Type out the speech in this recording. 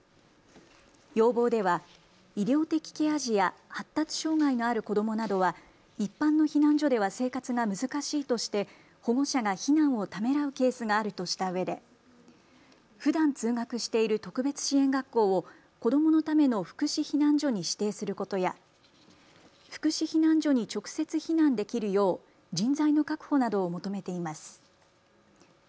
要望では医療的ケア児や発達障害のある子どもなどは一般の避難所では生活が難しいとして保護者が避難をためらうケースがあるとしたうえでふだん通学している特別支援学校を子どものための福祉避難所に指定することや福祉避難所に直接避難できるよう人材の確保などを求めています。